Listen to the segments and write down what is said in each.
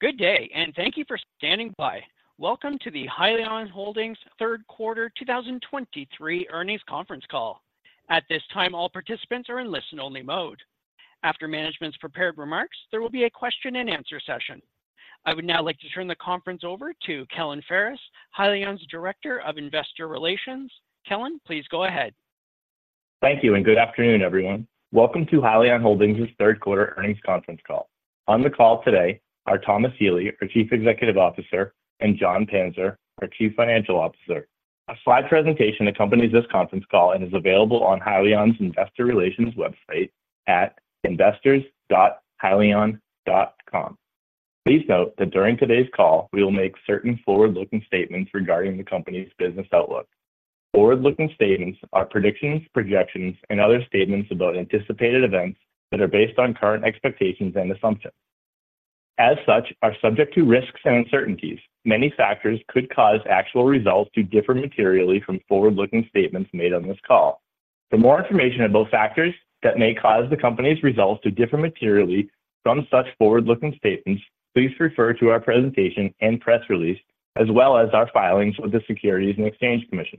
Good day, and thank you for standing by. Welcome to the Hyliion Holdings third quarter 2023 earnings conference call. At this time, all participants are in listen-only mode. After management's prepared remarks, there will be a question and answer session. I would now like to turn the conference over to Kellen Ferris, Hyliion's Director of Investor Relations. Kellen, please go ahead. Thank you, and good afternoon, everyone. Welcome to Hyliion Holdings' third quarter earnings conference call. On the call today are Thomas Healy, our Chief Executive Officer, and Jon Panzer, our Chief Financial Officer. A slide presentation accompanies this conference call and is available on Hyliion's Investor Relations website at investors.hyliion.com. Please note that during today's call, we will make certain forward-looking statements regarding the company's business outlook. Forward-looking statements are predictions, projections, and other statements about anticipated events that are based on current expectations and assumptions. As such, are subject to risks and uncertainties. Many factors could cause actual results to differ materially from forward-looking statements made on this call. For more information about factors that may cause the company's results to differ materially from such forward-looking statements, please refer to our presentation and press release, as well as our filings with the Securities and Exchange Commission.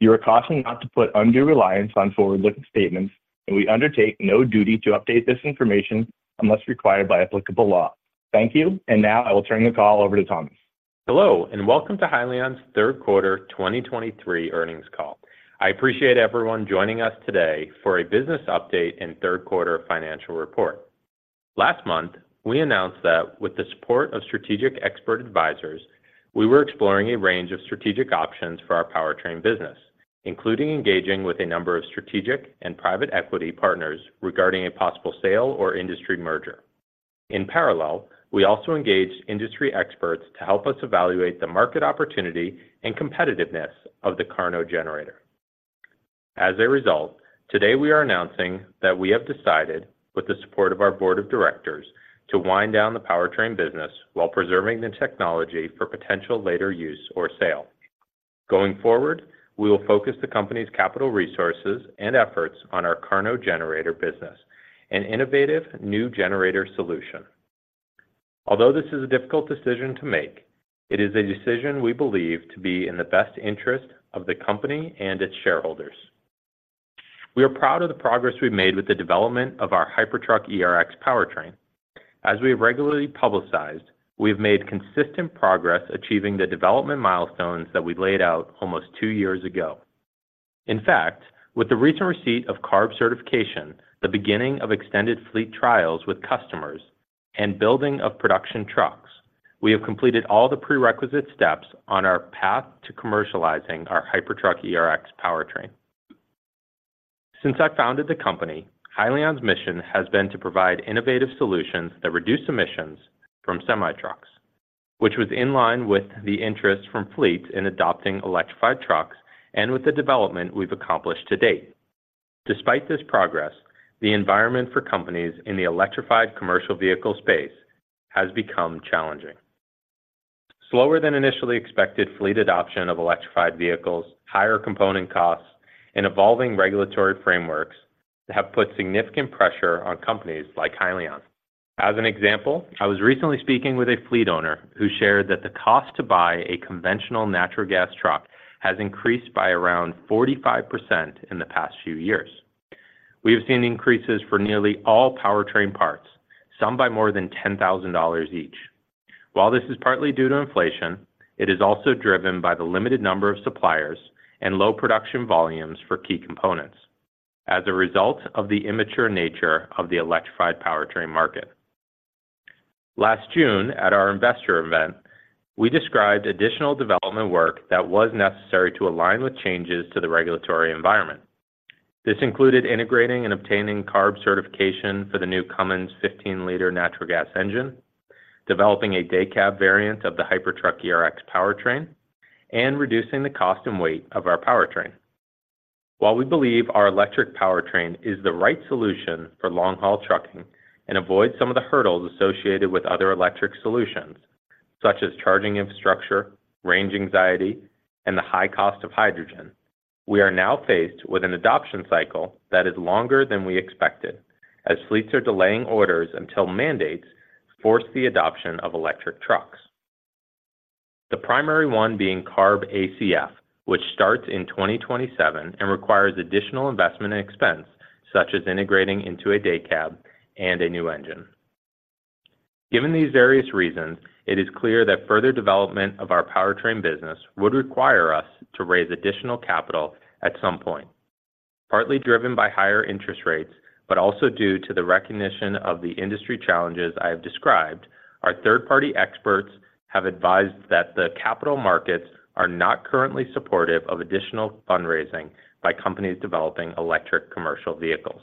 You are cautioned not to put undue reliance on forward-looking statements, and we undertake no duty to update this information unless required by applicable law. Thank you, and now I will turn the call over to Thomas. Hello, and welcome to Hyliion's third quarter 2023 earnings call. I appreciate everyone joining us today for a business update and third quarter financial report. Last month, we announced that with the support of strategic expert advisors, we were exploring a range of strategic options for our powertrain business, including engaging with a number of strategic and private equity partners regarding a possible sale or industry merger. In parallel, we also engaged industry experts to help us evaluate the market opportunity and competitiveness of the KARNO generator. As a result, today we are announcing that we have decided, with the support of our board of directors, to wind-down the powertrain business while preserving the technology for potential later use or sale. Going forward, we will focus the company's capital resources and efforts on our KARNO generator business, an innovative new generator solution. Although this is a difficult decision to make, it is a decision we believe to be in the best interest of the company and its shareholders. We are proud of the progress we've made with the development of our Hypertruck ERX powertrain. As we have regularly publicized, we have made consistent progress achieving the development milestones that we laid out almost two years ago. In fact, with the recent receipt of CARB Certification, the beginning of extended fleet trials with customers, and building of production trucks, we have completed all the prerequisite steps on our path to commercializing our Hypertruck ERX powertrain. Since I founded the company, Hyliion's mission has been to provide innovative solutions that reduce emissions from semi-trucks, which was in line with the interest from fleets in adopting electrified trucks and with the development we've accomplished to date. Despite this progress, the environment for companies in the electrified commercial vehicle space has become challenging. Slower than initially expected fleet adoption of electrified vehicles, higher component costs, and evolving regulatory frameworks have put significant pressure on companies like Hyliion. As an example, I was recently speaking with a fleet owner who shared that the cost to buy a conventional natural gas truck has increased by around 45% in the past few years. We have seen increases for nearly all powertrain parts, some by more than $10,000 each. While this is partly due to inflation, it is also driven by the limited number of suppliers and low production volumes for key components as a result of the immature nature of the electrified powertrain market. Last June, at our investor event, we described additional development work that was necessary to align with changes to the regulatory environment. This included integrating and obtaining CARB certification for the new Cummins 15-liter natural gas engine, developing a day cab variant of the Hypertruck ERX powertrain, and reducing the cost and weight of our powertrain. While we believe our electric powertrain is the right solution for long-haul trucking and avoids some of the hurdles associated with other electric solutions, such as charging infrastructure, range anxiety, and the high cost of hydrogen, we are now faced with an adoption cycle that is longer than we expected, as fleets are delaying orders until mandates force the adoption of electric trucks. The primary one being CARB ACF, which starts in 2027 and requires additional investment and expense, such as integrating into a day cab and a new engine. Given these various reasons, it is clear that further development of our powertrain business would require us to raise additional capital at some point, partly driven by higher interest rates, but also due to the recognition of the industry challenges I have described, our third-party experts have advised that the capital markets are not currently supportive of additional fundraising by companies developing electric commercial vehicles.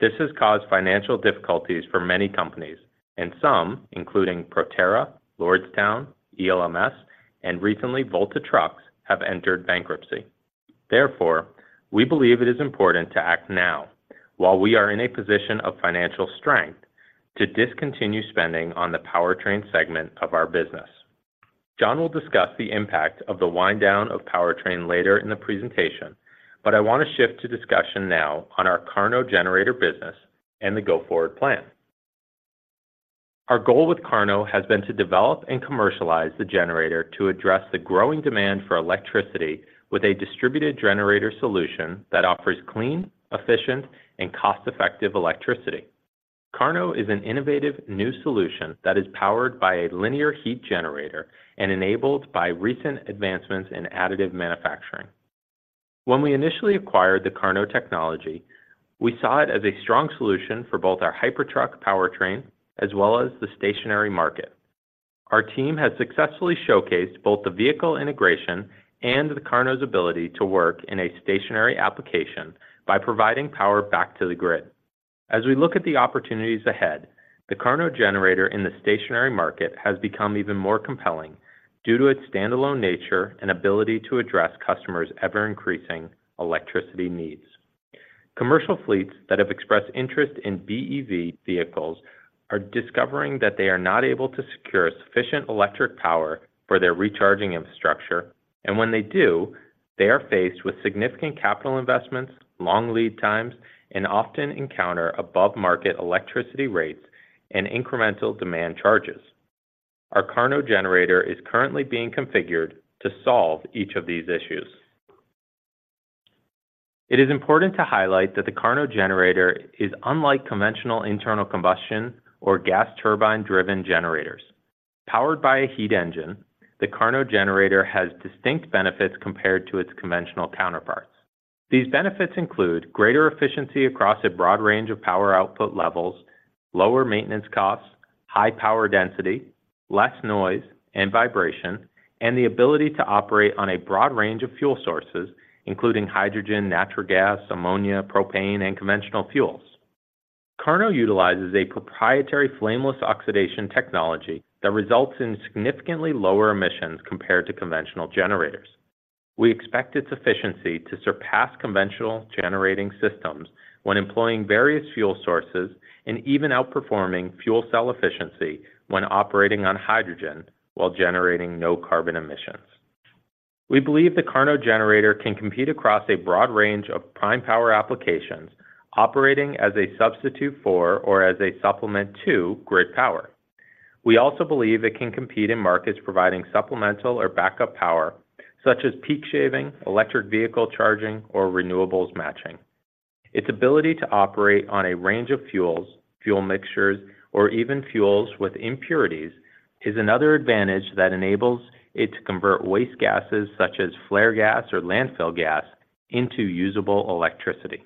This has caused financial difficulties for many companies, and some, including Proterra, Lordstown, ELMS, and recently Volta Trucks, have entered bankruptcy. Therefore, we believe it is important to act now while we are in a position of financial strength to discontinue spending on the powertrain segment of our business. Jon will discuss the impact of the wind-down of powertrain later in the presentation, but I want to shift to discussion now on our KARNO generator business and the go-forward plan. Our goal with KARNO has been to develop and commercialize the generator to address the growing demand for electricity, with a distributed generator solution that offers clean, efficient, and cost-effective electricity. KARNO is an innovative new solution that is powered by a linear heat generator and enabled by recent advancements in additive manufacturing. When we initially acquired the KARNO technology, we saw it as a strong solution for both our Hypertruck powertrain as well as the stationary market. Our team has successfully showcased both the vehicle integration and the KARNO's ability to work in a stationary application by providing power back to the grid. As we look at the opportunities ahead, the KARNO generator in the stationary market has become even more compelling due to its standalone nature and ability to address customers' ever-increasing electricity needs. Commercial fleets that have expressed interest in BEV vehicles are discovering that they are not able to secure sufficient electric power for their recharging infrastructure, and when they do, they are faced with significant capital investments, long lead times, and often encounter above-market electricity rates and incremental demand charges. Our KARNO generator is currently being configured to solve each of these issues. It is important to highlight that the KARNO generator is unlike conventional internal combustion or gas turbine-driven generators. Powered by a heat engine, the KARNO generator has distinct benefits compared to its conventional counterparts. These benefits include greater efficiency across a broad range of power output levels, lower maintenance costs, high power density, less noise and vibration, and the ability to operate on a broad range of fuel sources, including hydrogen, natural gas, ammonia, propane, and conventional fuels. KARNO utilizes a proprietary flameless oxidation technology that results in significantly lower emissions compared to conventional generators. We expect its efficiency to surpass conventional generating systems when employing various fuel sources and even outperforming fuel cell efficiency when operating on hydrogen while generating no carbon emissions. We believe the KARNO generator can compete across a broad range of prime power applications, operating as a substitute for or as a supplement to grid power. We also believe it can compete in markets providing supplemental or backup power, such as peak shaving, electric vehicle charging, or renewables matching. Its ability to operate on a range of fuels, fuel mixtures, or even fuels with impurities, is another advantage that enables it to convert waste gases, such as flare gas or landfill gas, into usable electricity.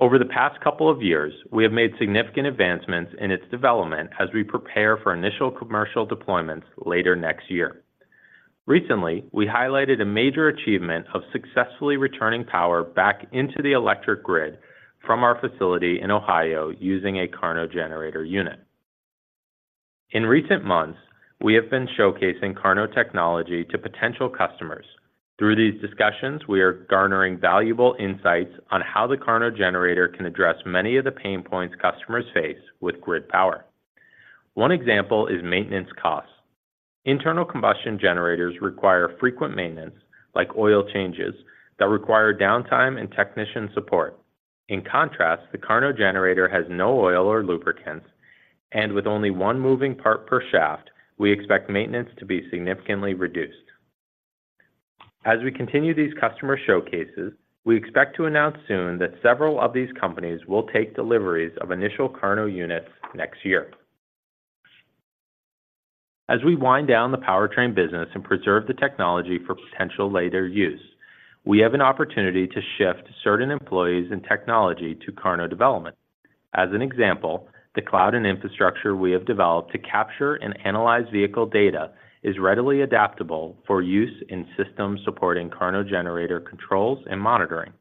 Over the past couple of years, we have made significant advancements in its development as we prepare for initial commercial deployments later next year. Recently, we highlighted a major achievement of successfully returning power back into the electric grid from our facility in Ohio using a KARNO generator unit. In recent months, we have been showcasing KARNO technology to potential customers. Through these discussions, we are garnering valuable insights on how the KARNO generator can address many of the pain points customers face with grid power. One example is maintenance costs. Internal combustion generators require frequent maintenance, like oil changes, that require downtime and technician support. In contrast, the KARNO generator has no oil or lubricants, and with only one moving part per shaft, we expect maintenance to be significantly reduced. As we continue these customer showcases, we expect to announce soon that several of these companies will take deliveries of initial KARNO units next year. As we wind-down the powertrain business and preserve the technology for potential later use, we have an opportunity to shift certain employees and technology to KARNO development. As an example, the cloud and infrastructure we have developed to capture and analyze vehicle data is readily adaptable for use in systems supporting KARNO generator controls and monitoring.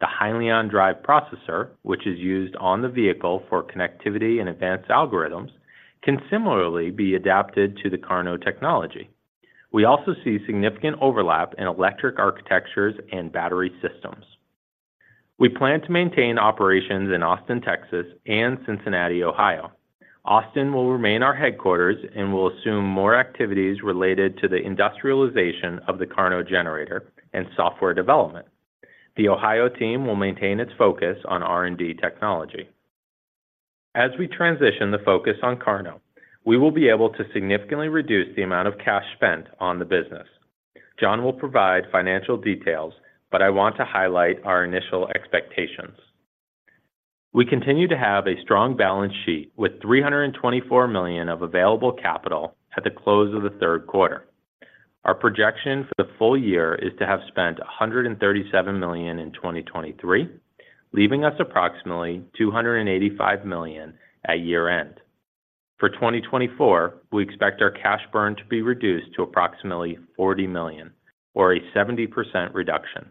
The Hyliion drive processor, which is used on the vehicle for connectivity and advanced algorithms, can similarly be adapted to the KARNO technology. We also see significant overlap in electric architectures and battery systems. We plan to maintain operations in Austin, Texas, and Cincinnati, Ohio. Austin will remain our headquarters and will assume more activities related to the industrialization of the KARNO generator and software development. The Ohio team will maintain its focus on R&D technology. As we transition the focus on KARNO, we will be able to significantly reduce the amount of cash spent on the business. Jon will provide financial details, but I want to highlight our initial expectations. We continue to have a strong balance sheet, with $324 million of available capital at the close of the third quarter. Our projection for the full year is to have spent $137 million in 2023, leaving us approximately $285 million at year-end. For 2024, we expect our cash burn to be reduced to approximately $40 million, or a 70% reduction.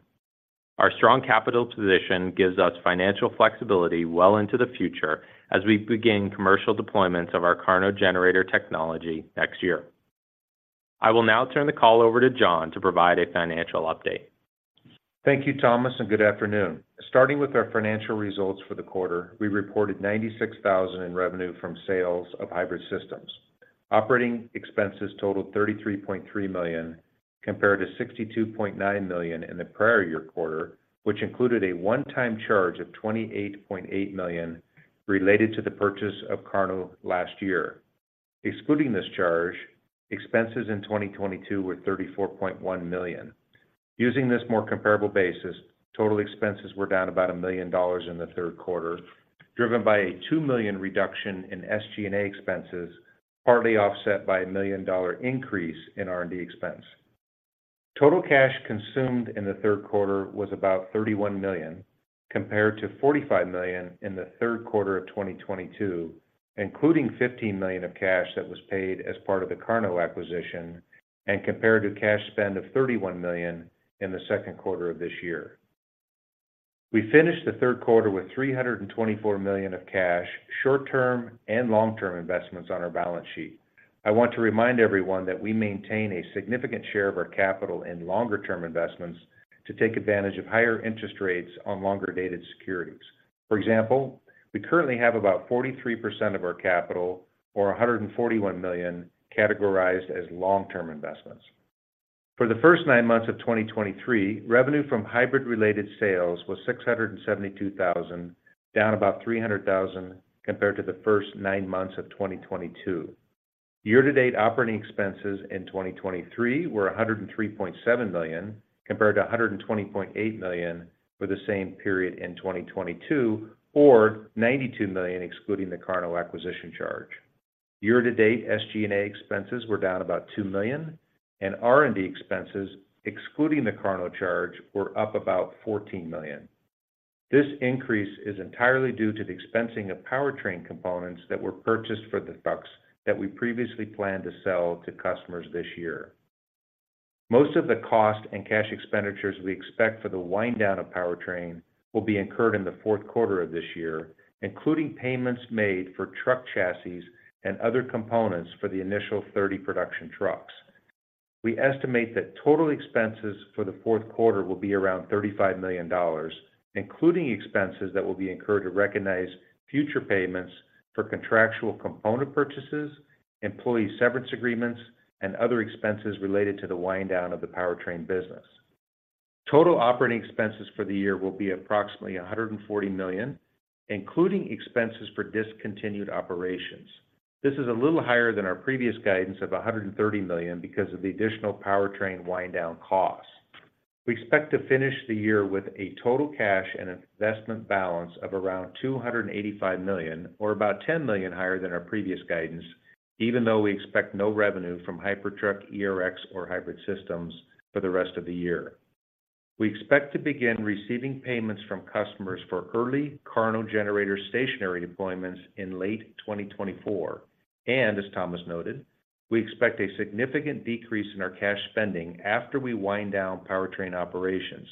Our strong capital position gives us financial flexibility well into the future as we begin commercial deployments of our KARNO generator technology next year. I will now turn the call over to Jon to provide a financial update. Thank you, Thomas, and good afternoon. Starting with our financial results for the quarter, we reported $96,000 in revenue from sales of hybrid systems. Operating expenses totaled $33.3 million, compared to $62.9 million in the prior year quarter, which included a one-time charge of $28.8 million related to the purchase of KARNO last year. Excluding this charge, expenses in 2022 were $34.1 million. Using this more comparable basis, total expenses were down about $1 million in the third quarter, driven by a $2 million reduction in SG&A expenses, partly offset by a $1 million increase in R&D expense. Total cash consumed in the third quarter was about $31 million, compared to $45 million in the third quarter of 2022, including $15 million of cash that was paid as part of the KARNO acquisition, and compared to cash spend of $31 million in the second quarter of this year. We finished the third quarter with $324 million of cash, short-term and long-term investments on our balance sheet. I want to remind everyone that we maintain a significant share of our capital in longer-term investments to take advantage of higher interest rates on longer-dated securities. For example, we currently have about 43% of our capital, or $141 million, categorized as long-term investments. For the first nine months of 2023, revenue from hybrid-related sales was $672,000, down about $300,000 compared to the first nine months of 2022. Year-to-date operating expenses in 2023 were $103.7 million, compared to $120.8 million for the same period in 2022, or $92 million, excluding the KARNO acquisition charge. Year-to-date SG&A expenses were down about $2 million, and R&D expenses, excluding the KARNO charge, were up about $14 million. This increase is entirely due to the expensing of powertrain components that were purchased for the trucks that we previously planned to sell to customers this year. Most of the cost and cash expenditures we expect for the wind-down of powertrain will be incurred in the fourth quarter of this year, including payments made for truck chassis and other components for the initial 30 production trucks. We estimate that total expenses for the fourth quarter will be around $35 million, including expenses that will be incurred to recognize future payments for contractual component purchases, employee severance agreements, and other expenses related to the wind-down of the powertrain business. Total operating expenses for the year will be approximately $140 million, including expenses for discontinued operations. This is a little higher than our previous guidance of $130 million because of the additional powertrain wind-down costs. We expect to finish the year with a total cash and investment balance of around $285 million, or about $10 million higher than our previous guidance, even though we expect no revenue from Hypertruck ERX or hybrid systems for the rest of the year. We expect to begin receiving payments from customers for early KARNO generator stationary deployments in late 2024, and as Thomas noted, we expect a significant decrease in our cash spending after we wind-down powertrain operations.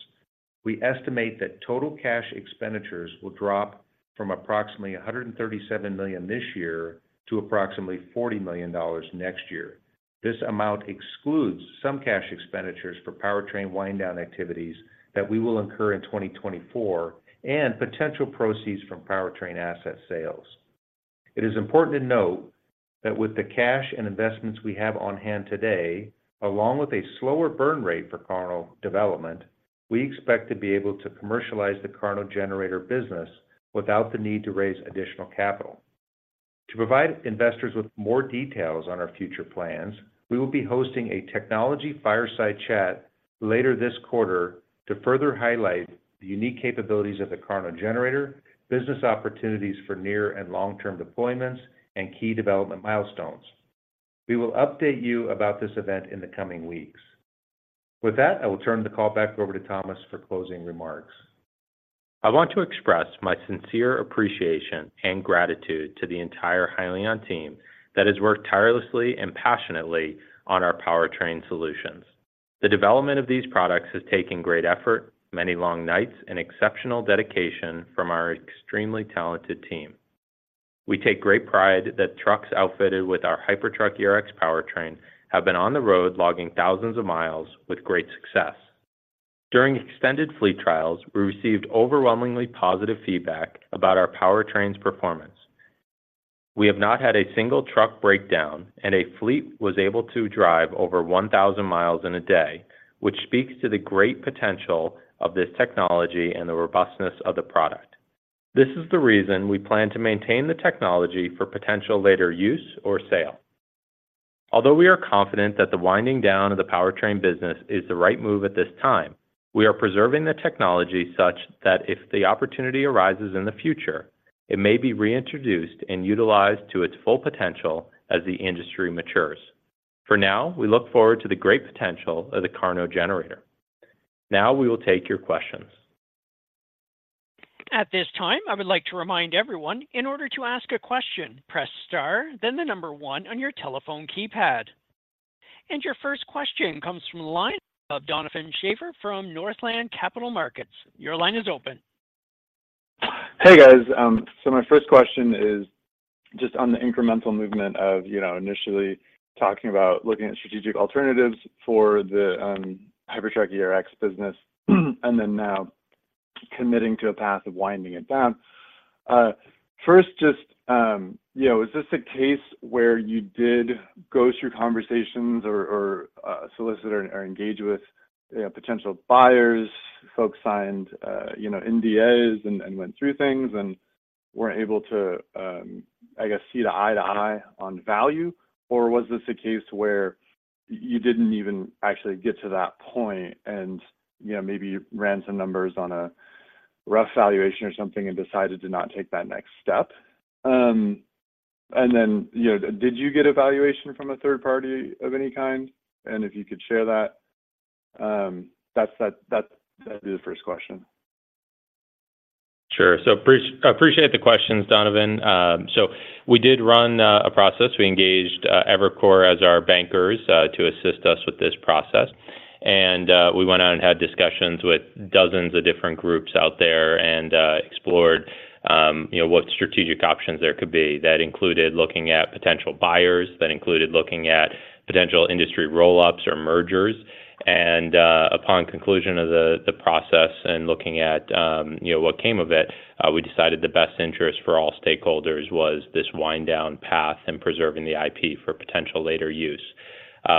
We estimate that total cash expenditures will drop from approximately $137 million this year to approximately $40 million next year. This amount excludes some cash expenditures for powertrain wind-down activities that we will incur in 2024 and potential proceeds from powertrain asset sales. It is important to note that with the cash and investments we have on hand today, along with a slower burn rate for KARNO development, we expect to be able to commercialize the KARNO generator business without the need to raise additional capital. To provide investors with more details on our future plans, we will be hosting a Technology Fireside Chat later this quarter to further highlight the unique capabilities of the KARNO generator, business opportunities for near and long-term deployments, and key development milestones. We will update you about this event in the coming weeks. With that, I will turn the call back over to Thomas for closing remarks. I want to express my sincere appreciation and gratitude to the entire Hyliion team that has worked tirelessly and passionately on our powertrain solutions. The development of these products has taken great effort, many long nights, and exceptional dedication from our extremely talented team. We take great pride that trucks outfitted with our Hypertruck ERX powertrain have been on the road, logging thousands of miles with great success. During extended fleet trials, we received overwhelmingly positive feedback about our powertrain's performance. We have not had a single truck breakdown, and a fleet was able to drive over 1,000 miles in a day, which speaks to the great potential of this technology and the robustness of the product. This is the reason we plan to maintain the technology for potential later use or sale. Although we are confident that the winding down of the powertrain business is the right move at this time, we are preserving the technology such that if the opportunity arises in the future, it may be reintroduced and utilized to its full potential as the industry matures. For now, we look forward to the great potential of the KARNO generator. Now we will take your questions. At this time, I would like to remind everyone, in order to ask a question, press star, then the number one on your telephone keypad. And your first question comes from the line of Donovan Schafer from Northland Capital Markets. Your line is open. Hey, guys. So my first question is just on the incremental movement of, you know, initially talking about looking at strategic alternatives for the Hypertruck ERX business, and then now committing to a path of winding it down. First, just, you know, is this a case where you did go through conversations or, or, solicit or, or engage with potential buyers, folks signed, you know, NDAs and, and went through things and weren't able to, I guess, see eye to eye on value? Or was this a case where you didn't even actually get to that point and, you know, maybe ran some numbers on a rough valuation or something and decided to not take that next step? And then, you know, did you get evaluation from a third party of any kind? If you could share that, that's that. That'd be the first question. Sure. So appreciate the questions, Donovan. So we did run a process. We engaged Evercore as our bankers to assist us with this process. And we went out and had discussions with dozens of different groups out there and explored, you know, what strategic options there could be. That included looking at potential buyers, that included looking at potential industry roll-ups or mergers, and upon conclusion of the process and looking at, you know, what came of it, we decided the best interest for all stakeholders was this wind down path and preserving the IP for potential later use.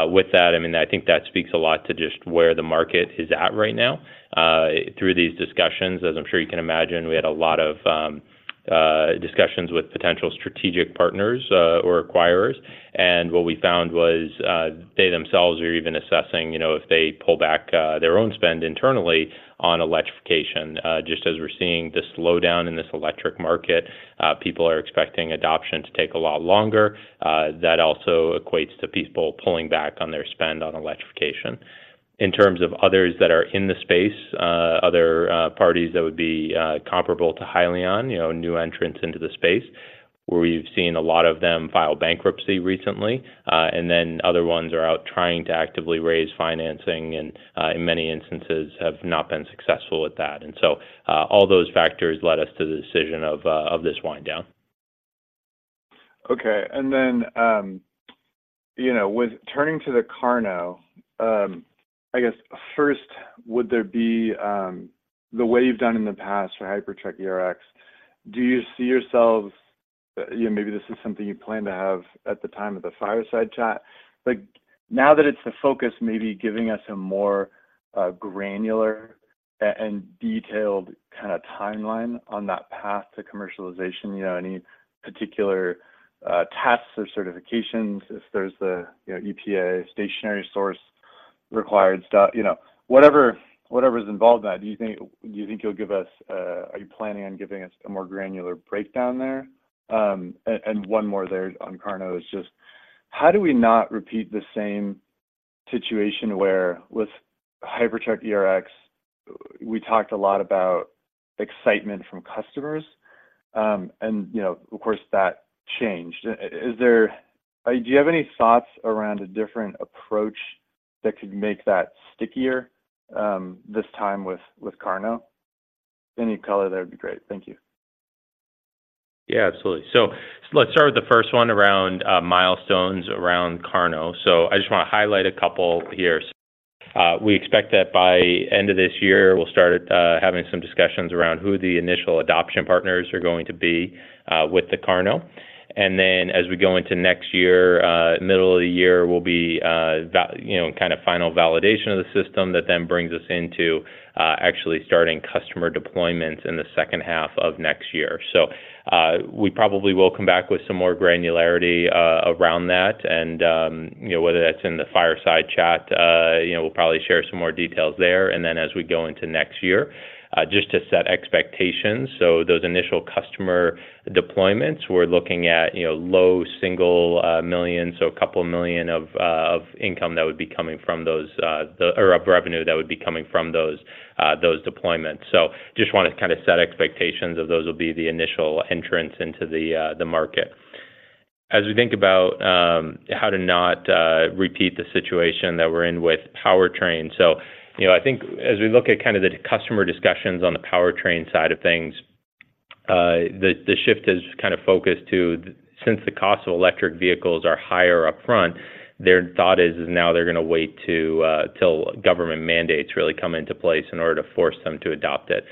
With that, I mean, I think that speaks a lot to just where the market is at right now. Through these discussions, as I'm sure you can imagine, we had a lot of discussions with potential strategic partners or acquirers, and what we found was, they themselves were even assessing, you know, if they pull back their own spend internally on electrification. Just as we're seeing this slowdown in this electric market, people are expecting adoption to take a lot longer. That also equates to people pulling back on their spend on electrification. In terms of others that are in the space, other parties that would be comparable to Hyliion, you know, new entrants into the space, where we've seen a lot of them file bankruptcy recently. And then other ones are out trying to actively raise financing and, in many instances, have not been successful with that. All those factors led us to the decision of this wind-down. Okay. And then, you know, with turning to the KARNO, I guess first, would there be. The way you've done in the past for Hypertruck ERX, do you see yourselves, you know, maybe this is something you plan to have at the time of the Fireside Chat, but now that it's the focus, maybe giving us a more granular and detailed kinda timeline on that path to commercialization, you know, any particular tasks or certifications, if there's a, you know, EPA stationary source required stuff, you know, whatever, whatever's involved in that, do you think you'll give us, are you planning on giving us a more granular breakdown there? And one more there on KARNO is just, how do we not repeat the same situation where with Hypertruck ERX, we talked a lot about excitement from customers, and, you know, of course, that changed. Is there do you have any thoughts around a different approach that could make that stickier, this time with, with KARNO? Any color, that would be great. Thank you. Yeah, absolutely. So let's start with the first one around milestones around KARNO. So I just wanna highlight a couple here. We expect that by end of this year, we'll start having some discussions around who the initial adoption partners are going to be with the KARNO. And then, as we go into next year, middle of the year will be you know, kind of final validation of the system that then brings us into actually starting customer deployments in the second half of next year. So we probably will come back with some more granularity around that. And you know, whether that's in the Fireside Chat you know, we'll probably share some more details there, and then as we go into next year just to set expectations. So those initial customer deployments, we're looking at, you know, low $1 million, so $2 million of income that would be coming from those or revenue that would be coming from those deployments. So just wanted to kind of set expectations of those will be the initial entrants into the market. As we think about how to not repeat the situation that we're in with powertrain, so, you know, I think as we look at kind of the customer discussions on the powertrain side of things, the shift has kind of focused to, since the cost of electric vehicles are higher upfront, their thought is now they're gonna wait till government mandates really come into place in order to force them to adopt it.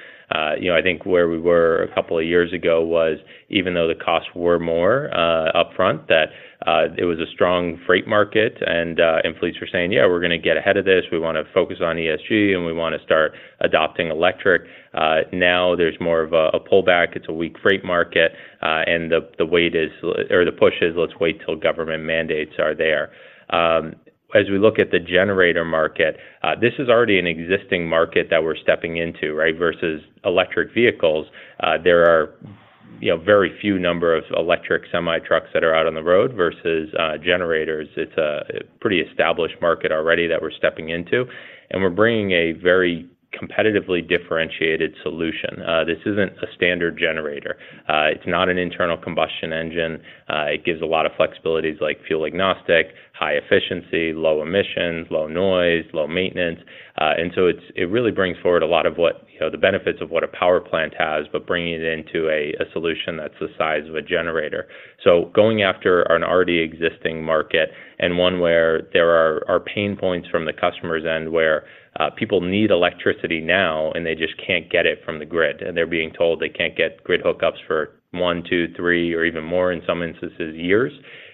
You know, I think where we were a couple of years ago was, even though the costs were more upfront, that it was a strong freight market, and fleets were saying, "Yeah, we're gonna get ahead of this. We wanna focus on ESG, and we wanna start adopting electric." Now there's more of a pullback, it's a weak freight market, and the wait is, or the push is, let's wait till government mandates are there. As we look at the generator market, this is already an existing market that we're stepping into, right? Versus electric vehicles, there are you know, very few number of electric semi-trucks that are out on the road versus generators. It's a pretty established market already that we're stepping into, and we're bringing a very competitively differentiated solution. This isn't a standard generator. It's not an internal combustion engine. It gives a lot of flexibilities like fuel agnostic, high efficiency, low emissions, low noise, low maintenance. And so it really brings forward a lot of what, you know, the benefits of what a power plant has, but bringing it into a solution that's the size of a generator. So going after an already existing market and one where there are pain points from the customer's end, where people need electricity now, and they just can't get it from the grid, and they're being told they can't get grid hookups for one, two, three, or even more, in some instances, years.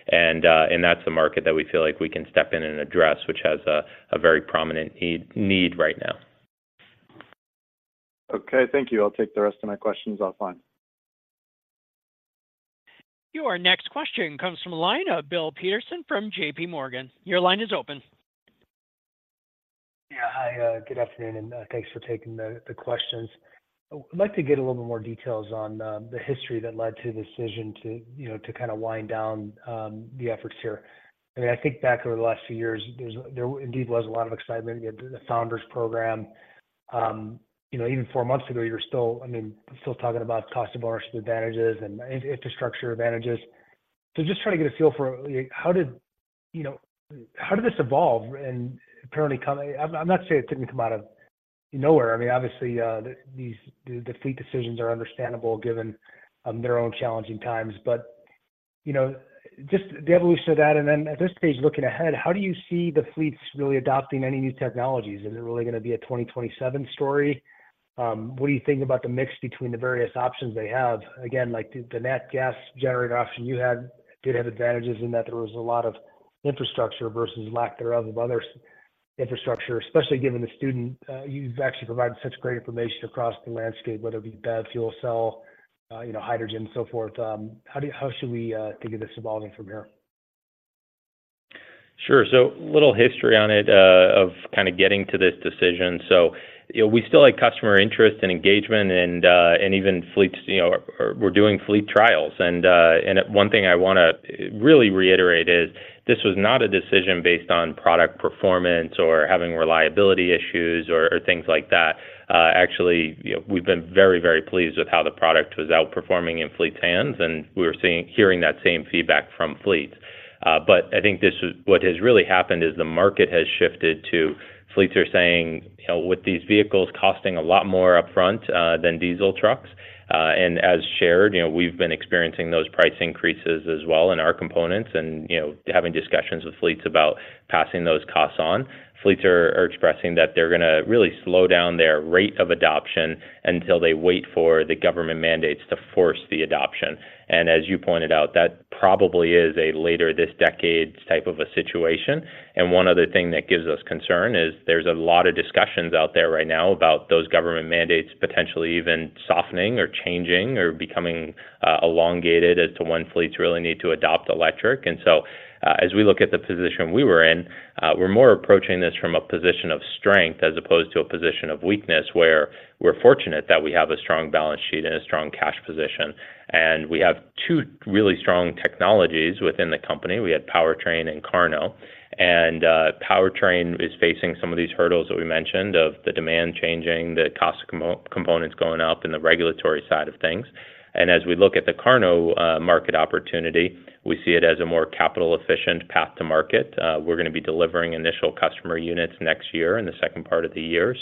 And that's the market that we feel like we can step in and address, which has a very prominent need right now. Okay, thank you. I'll take the rest of my questions offline. Your next question comes from the line of Bill Peterson from J.P. Morgan. Your line is open. Yeah. Hi, good afternoon, and thanks for taking the questions. I'd like to get a little bit more details on the history that led to the decision to, you know, to kinda wind-down the efforts here. I mean, I think back over the last few years, there indeed was a lot of excitement, the Founders Program. You know, even four months ago, you were still, I mean, still talking about cost of advantages and infrastructure advantages. So just trying to get a feel for, like, how did, you know, how did this evolve? And apparently, come... I'm not saying it didn't come out of nowhere. I mean, obviously, these fleet decisions are understandable, given their own challenging times. But, you know, just the evolution of that, and then at this stage, looking ahead, how do you see the fleets really adopting any new technologies? And is it really gonna be a 2027 story? What do you think about the mix between the various options they have? Again, like, the nat gas generator option you had did have advantages in that there was a lot of infrastructure versus lack thereof of other infrastructure, especially given the situation. You've actually provided such great information across the landscape, whether it be BEV, fuel cell, you know, hydrogen, so forth. How do you, how should we think of this evolving from here? Sure. So a little history on it, of kinda getting to this decision. So, you know, we still had customer interest and engagement and, and even fleets, you know, we're doing fleet trials. And, and one thing I wanna really reiterate is this was not a decision based on product performance or having reliability issues or, or things like that. Actually, you know, we've been very, very pleased with how the product was outperforming in fleet's hands, and we were seeing - hearing that same feedback from fleets. But I think this is... What has really happened is the market has shifted to fleets are saying, you know, with these vehicles costing a lot more upfront than diesel trucks, and as shared, you know, we've been experiencing those price increases as well in our components and, you know, having discussions with fleets about passing those costs on. Fleets are expressing that they're gonna really slow down their rate of adoption until they wait for the government mandates to force the adoption. And as you pointed out, that probably is a later this decade type of a situation. And one other thing that gives us concern is there's a lot of discussions out there right now about those government mandates potentially even softening or changing or becoming elongated as to when fleets really need to adopt electric. As we look at the position we were in, we're more approaching this from a position of strength as opposed to a position of weakness, where we're fortunate that we have a strong balance sheet and a strong cash position. We have two really strong technologies within the company. We had powertrain and KARNO, and powertrain is facing some of these hurdles that we mentioned, of the demand changing, the cost of components going up, and the regulatory side of things. As we look at the KARNO market opportunity, we see it as a more capital-efficient path to market. We're gonna be delivering initial customer units next year, in the second part of the year.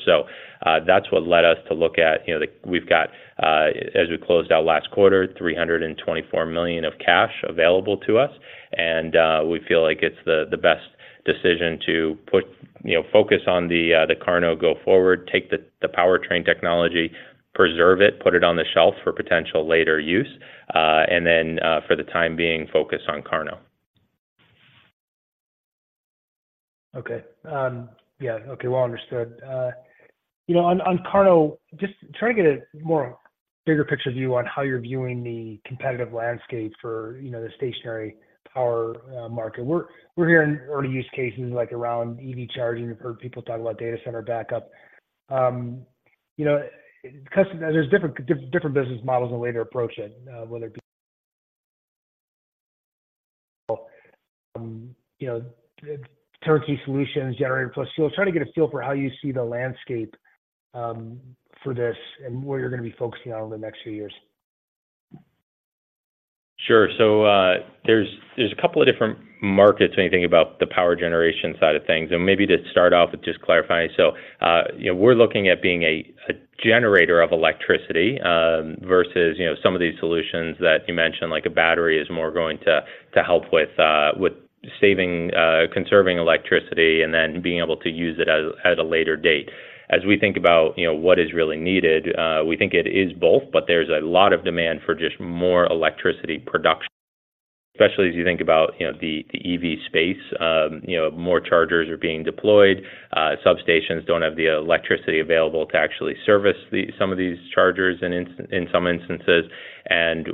That's what led us to look at, you know, we've got, as we closed out last quarter, $324 million of cash available to us, and we feel like it's the best decision to put, you know, focus on the KARNO go forward, take the powertrain technology, preserve it, put it on the shelf for potential later use, and then, for the time being, focus on KARNO. Okay. Yeah, okay, well understood. You know, on, on KARNO, just trying to get a more bigger picture view on how you're viewing the competitive landscape for, you know, the stationary power, market. We're, we're hearing early use cases like around EV charging. We've heard people talk about data center backup. You know, 'cause there's different, different business models and way to approach it, whether it be, you know, turnkey solutions, generator plus... So trying to get a feel for how you see the landscape, for this and what you're gonna be focusing on over the next few years. Sure. So, there's a couple of different markets when you think about the power generation side of things, and maybe to start off with just clarifying. So, you know, we're looking at being a generator of electricity, versus, you know, some of these solutions that you mentioned, like a battery is more going to, to help with, with saving, conserving electricity and then being able to use it at, a later date. As we think about, you know, what is really needed, we think it is both, but there's a lot of demand for just more electricity production, especially as you think about, you know, the EV space. You know, more chargers are being deployed, substations don't have the electricity available to actually service some of these chargers in some instances.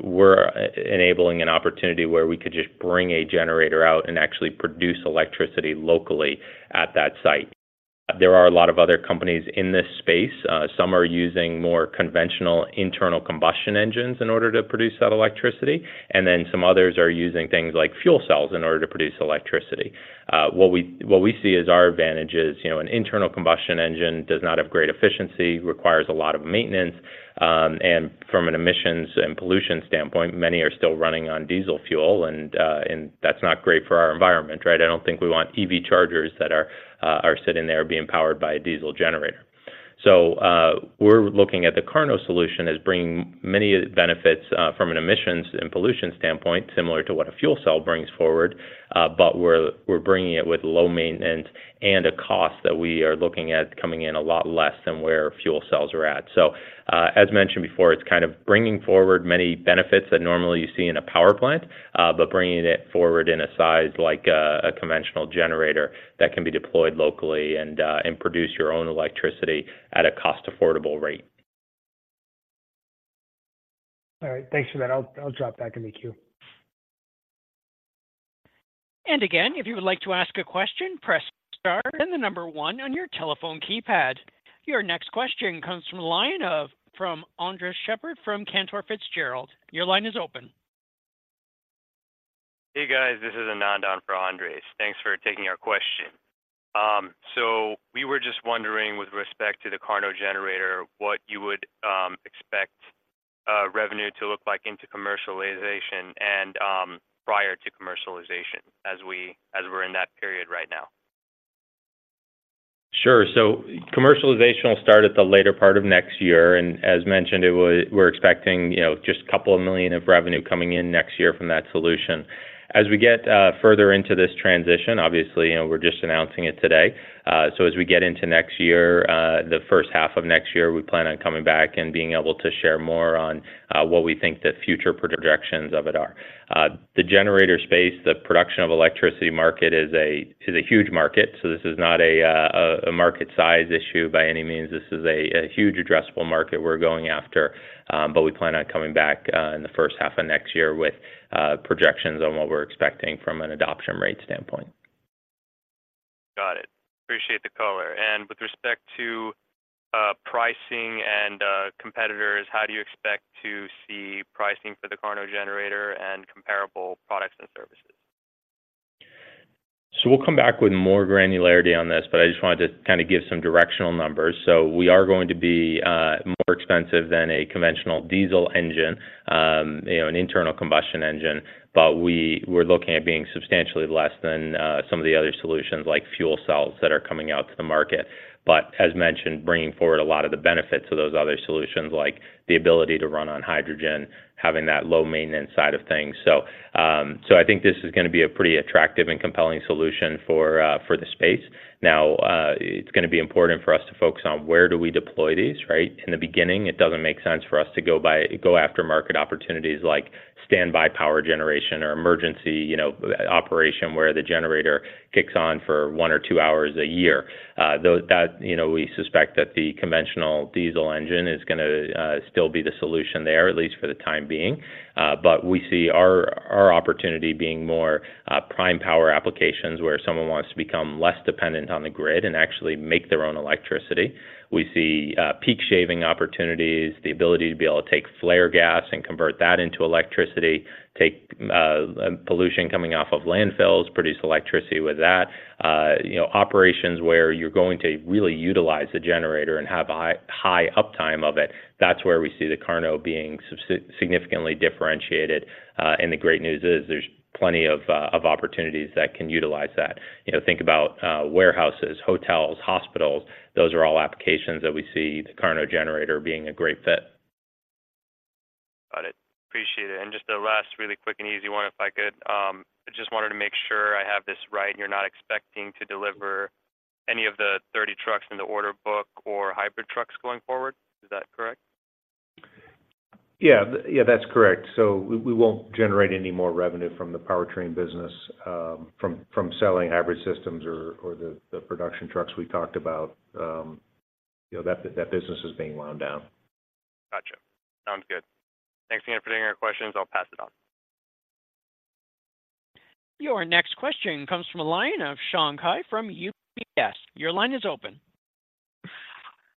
We're enabling an opportunity where we could just bring a generator out and actually produce electricity locally at that site. There are a lot of other companies in this space. Some are using more conventional internal combustion engines in order to produce that electricity, and then some others are using things like fuel cells in order to produce electricity. What we, what we see as our advantage is, you know, an internal combustion engine does not have great efficiency, requires a lot of maintenance, and from an emissions and pollution standpoint, many are still running on diesel fuel, and that's not great for our environment, right? I don't think we want EV chargers that are sitting there being powered by a diesel generator. So, we're looking at the KARNO solution as bringing many benefits, from an emissions and pollution standpoint, similar to what a fuel cell brings forward, but we're bringing it with low maintenance and a cost that we are looking at coming in a lot less than where fuel cells are at. So, as mentioned before, it's kind of bringing forward many benefits that normally you see in a power plant, but bringing it forward in a size like a conventional generator that can be deployed locally and produce your own electricity at a cost-affordable rate. All right. Thanks for that. I'll drop back in the queue. And again, if you would like to ask a question, press star, then the number one on your telephone keypad. Your next question comes from the line of Andres Sheppard from Cantor Fitzgerald. Your line is open. Hey, guys. This is Anand on for Andres. Thanks for taking our question. We were just wondering, with respect to the KARNO generator, what you would expect revenue to look like into commercialization and prior to commercialization, as we're in that period right now? Sure. So commercialization will start at the later part of next year, and as mentioned, it will—we're expecting, you know, just $2 million of revenue coming in next year from that solution. As we get further into this transition, obviously, you know, we're just announcing it today, so as we get into next year, the first half of next year, we plan on coming back and being able to share more on what we think the future projections of it are. The generator space, the production of electricity market, is a huge market, so this is not a market size issue by any means. This is a huge addressable market we're going after, but we plan on coming back in the first half of next year with projections on what we're expecting from an adoption rate standpoint. Got it. Appreciate the color. With respect to pricing and competitors, how do you expect to see pricing for the KARNO generator and comparable products and services? So we'll come back with more granularity on this, but I just wanted to kinda give some directional numbers. So we are going to be more expensive than a conventional diesel engine, you know, an internal combustion engine, but we're looking at being substantially less than some of the other solutions, like fuel cells, that are coming out to the market. But as mentioned, bringing forward a lot of the benefits of those other solutions, like the ability to run on hydrogen, having that low maintenance side of things. So I think this is gonna be a pretty attractive and compelling solution for the space. Now, it's gonna be important for us to focus on where do we deploy these, right? In the beginning, it doesn't make sense for us to go after market opportunities like standby power generation or emergency, you know, operation, where the generator kicks on for one or two hours a year. Those, that, you know, we suspect that the conventional diesel engine is gonna still be the solution there, at least for the time being. But we see our opportunity being more prime power applications, where someone wants to become less dependent on the grid and actually make their own electricity. We see peak shaving opportunities, the ability to be able to take flare gas and convert that into electricity, take pollution coming off of landfills, produce electricity with that. You know, operations where you're going to really utilize the generator and have a high, high uptime of it, that's where we see the KARNO being significantly differentiated. And the great news is there's plenty of opportunities that can utilize that. You know, think about warehouses, hotels, hospitals. Those are all applications that we see the KARNO generator being a great fit. Got it. Appreciate it. And just a last really quick and easy one, if I could. I just wanted to make sure I have this right. You're not expecting to deliver any of the 30 trucks in the order book or hybrid trucks going forward? Is that correct? Yeah. Yeah, that's correct. So we won't generate any more revenue from the powertrain business, from selling hybrid systems or the production trucks we talked about. You know, that business is being wound down. Gotcha. Sounds good. Thanks again for taking our questions. I'll pass it on. Your next question comes from the line of Zeng Kai from UBS. Your line is open.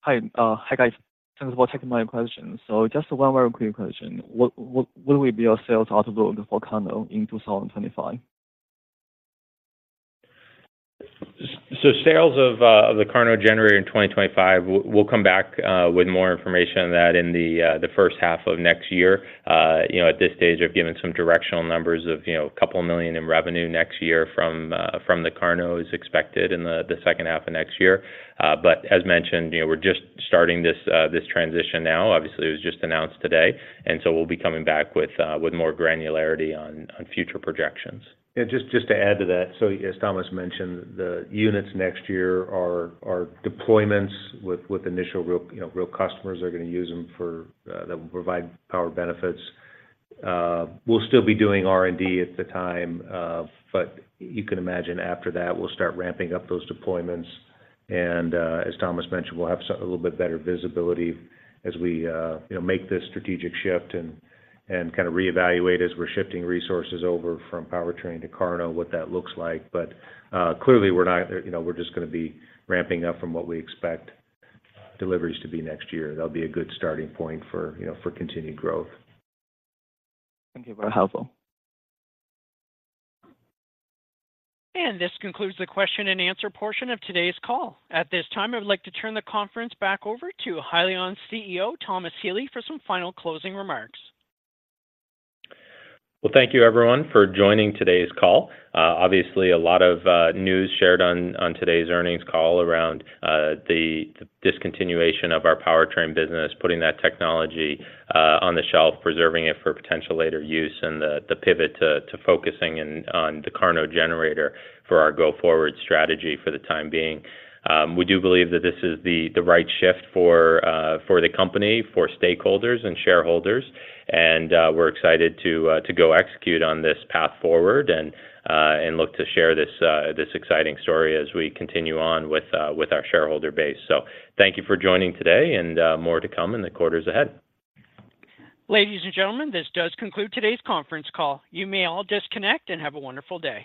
Hi. Hi, guys. Thanks for taking my question. So just one very quick question. What will be your sales outlook for KARNO in 2025? So sales of the KARNO generator in 2025, we'll come back with more information on that in the first half of next year. You know, at this stage, I've given some directional numbers of a couple million in revenue next year from the KARNO is expected in the second half of next year. But as mentioned, you know, we're just starting this transition now. Obviously, it was just announced today, and so we'll be coming back with more granularity on future projections. Yeah, just, just to add to that. So as Thomas mentioned, the units next year are, are deployments with, with initial real, you know, real customers are gonna use them for that will provide power benefits. We'll still be doing R&D at the time, but you can imagine after that, we'll start ramping up those deployments, and as Thomas mentioned, we'll have some a little bit better visibility as we, you know, make this strategic shift and kinda reevaluate as we're shifting resources over from powertrain to KARNO, what that looks like. But clearly, we're not, you know, we're just gonna be ramping up from what we expect deliveries to be next year. That'll be a good starting point for, you know, for continued growth. Thank you. Very helpful. This concludes the question-and-answer portion of today's call. At this time, I would like to turn the conference back over to Hyliion's CEO, Thomas Healy, for some final closing remarks. Well, thank you everyone for joining today's call. Obviously, a lot of news shared on today's earnings call around the discontinuation of our powertrain business, putting that technology on the shelf, preserving it for potential later use, and the pivot to focusing on the KARNO generator for our go-forward strategy for the time being. We do believe that this is the right shift for the company, for stakeholders and shareholders, and we're excited to go execute on this path forward and look to share this exciting story as we continue on with our shareholder base. So thank you for joining today, and more to come in the quarters ahead. Ladies and gentlemen, this does conclude today's conference call. You may all disconnect and have a wonderful day.